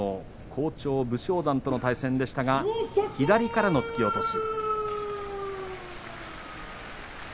好調、武将山との対戦でしたが左からの突き落とし。